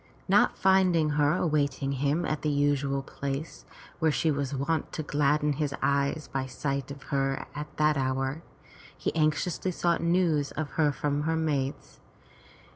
Not finding her awaiting him at the usual place, where she was wont to gladden his eyes by sight of her at that hour, he anxiously sought news of her from her maids.